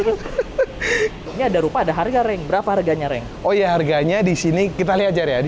tuh ini ada rupa ada harga reng berapa harganya reng oh ya harganya di sini kita lihat jar ya di